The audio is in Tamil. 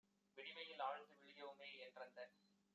மிடிமையில் ஆழ்ந்து விழியோமே?" என்றந்த